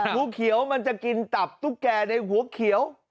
งูเขียวมันจะกินตับตุ๊กแก่ในหัวเขียว